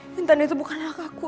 nintan itu bukan anak aku